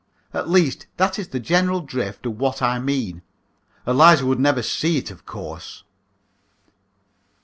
At least, that is the general drift of what I mean. Eliza would never see it, of course.